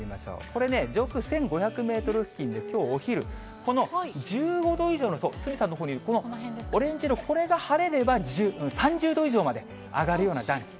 これね、上空１５００メートル付近で、きょうお昼、この１５度以上のそう、鷲見さんのほうに、このオレンジのこれが晴れれば、３０度以上まで上がるような暖気。